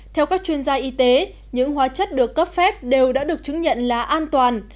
theo các chuyên gia y tế những hóa chất được cấp phép đều đã được chứng nhận là an toàn